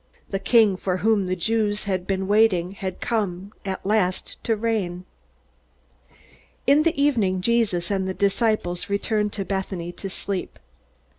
The king for whom the Jews had been waiting had come at last to reign. In the evening, Jesus and the disciples returned to Bethany to sleep.